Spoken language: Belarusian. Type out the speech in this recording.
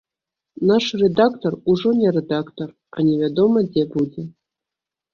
Наш рэдактар ужо не рэдактар, а невядома дзе будзе.